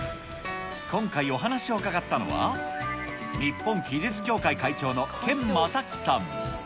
今回、お話を伺ったのは、日本奇術協会会長のケン正木さん。